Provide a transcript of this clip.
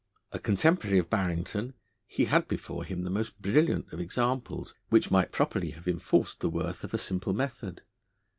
A contemporary of Barrington, he had before him the most brilliant of examples, which might properly have enforced the worth of a simple method.